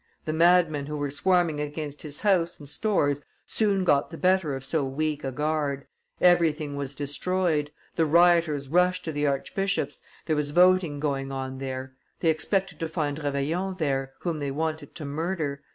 The madmen who were swarming against his house and stores soon got the better of so weak a guard, everything was destroyed; the rioters rushed to the archbishop's, there was voting going on there; they expected to find Reveillon there, whom they wanted to murder.